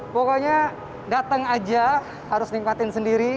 pokoknya datang aja harus nikmatin sendiri